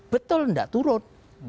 betul tidak turun